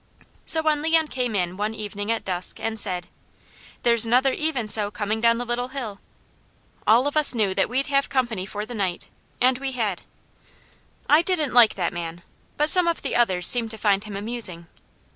So when Leon came in one evening at dusk and said, "There's another 'Even So' coming down the Little Hill!" all of us knew that we'd have company for the night, and we had. I didn't like that man, but some of the others seemed to find him amusing.